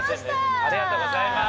ありがとうございます